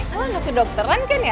lo nggak kedokteran kan ya